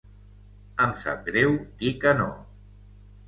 Em sap greu dir que no.